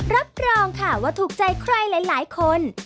รับรองค่ะว่าถูกใจใครหลายคน